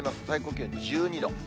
最高気温１２度。